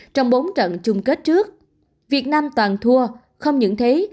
trong bốn trận chung kết trước việt nam toàn thua không những thế